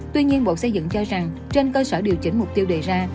tuy nhiên bộ xây dựng cho rằng trên cơ sở điều chỉnh mục tiêu đề ra